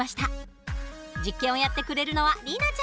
実験をやってくれるのは里奈ちゃん。